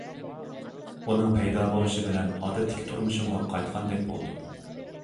ئۇنىڭ پەيدا بولۇشى بىلەن ئادەتتىكى تۇرمۇشۇمغا قايتقاندەك بولدۇم.